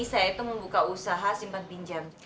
saya itu membuka usaha simpan pinjam